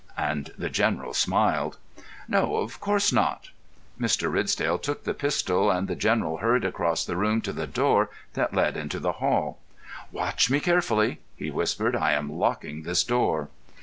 And the General smiled. "No, of course not." Mr. Ridsdale took the pistol, and the General hurried across the room to the door that led into the hall. "Watch me carefully," he whispered. "I am locking this door."